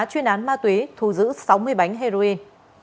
chuyên án ma túy thu giữ sáu mươi bánh heroin